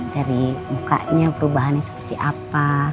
dari bukanya perubahannya seperti apa